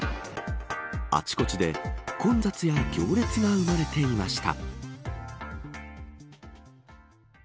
あちこちで、混雑や行列が生まれていました。